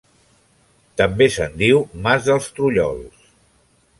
També se'n diu Mas del Trullols.